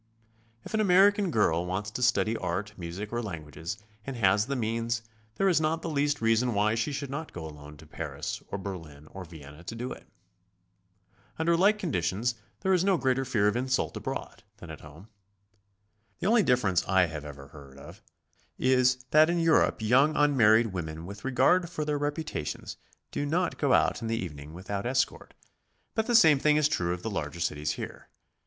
If an American girl wants to study art, music, or languages, and has the means, there is not the least reason why she should not go alone to Paris or j WHY, WHO, AND WHEN TO GO. 9 Berlin or Vienna to do, it. Under like conditions there is no greater fear of insult abroad than at home. The only differ ence I have ever heard of, is that in Europe young unmarried woimen with regard for their reputations do not go out in the evening without escort, but the same thing is true of the larger cities here.